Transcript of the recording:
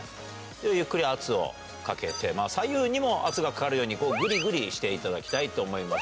ゆっくり圧をかけて、左右にも圧がかかるように、ぐりぐりしていただきたいと思います。